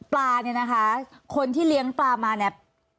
ปลาเนี่ยนะคะคนที่เลี้ยงปลามาเนี่ย